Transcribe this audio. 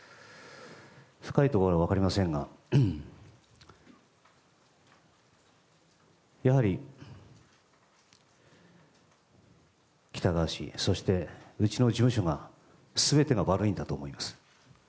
深いところは分かりませんがやはり、喜多川氏そしてうちの事務所が全てが悪いんだと思います。